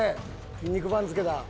『筋肉番付』だ。